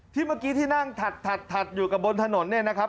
เมื่อกี้ที่นั่งถัดอยู่กับบนถนนเนี่ยนะครับ